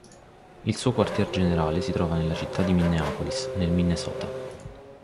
Il suo quartier generale si trova nella città di Minneapolis, nel Minnesota.